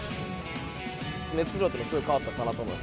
熱量とか、すごい変わったかなと思います。